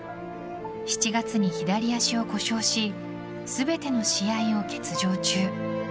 ７月に左足を故障し全ての試合を欠場中。